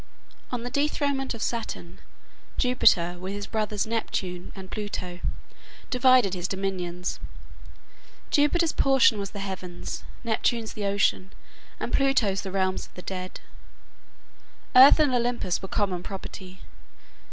On the dethronement of Saturn, Jupiter with his brothers Neptune (Poseidon) and Pluto (Dis) divided his dominions. Jupiter's portion was the heavens, Neptune's the ocean, and Pluto's the realms of the dead. Earth and Olympus were common property.